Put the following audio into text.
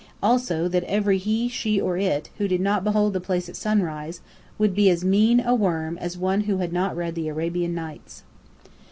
Also that every he, she, or it, who did not behold the place at sunrise would be as mean a worm as one who had not read the "Arabian Nights."